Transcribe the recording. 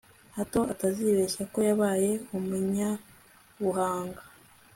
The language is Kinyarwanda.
hato atazibeshya ko yabaye umunyabuhanga